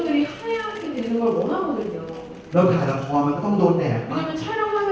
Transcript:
แล้วถ่ายลักษณ์ภาพมันก็ต้องโดนแดกมาก